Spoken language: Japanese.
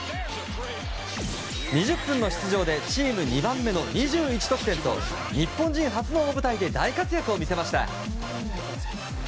２０分の出場でチーム２番目の２１得点と日本人初の大舞台で大活躍を見せました。